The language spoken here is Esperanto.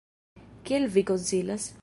Kiel vi konsilas?